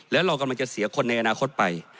แล้วเรากำลังจะเสียคนในอนาคตไป